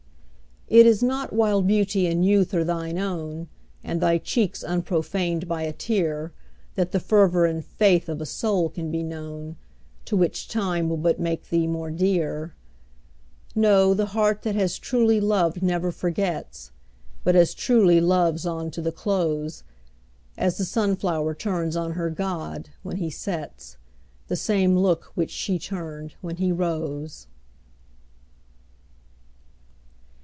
It is not while beauty and youth are thine own, And thy cheeks unprofaned by a tear, That the fervor and faith of a soul can be known, To which time will but make thee more dear; No, the heart that has truly loved never forgets, But as truly loves on to the close, As the sun flower turns on her god, when he sets, The same look which she turned when he rose.